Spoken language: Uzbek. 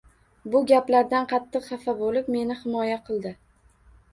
Bu gaplardan qattiq xafa bo`lib, meni himoya qildi